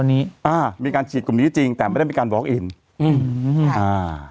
อันนี้อ่ามีการฉีดกลุ่มนี้จริงแต่ไม่ได้มีการบล็อกอินอืมอ่า